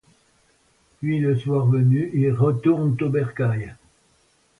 Puis le soir venu, ils retournent au bercail.